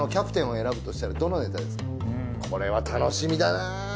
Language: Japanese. これは楽しみだな。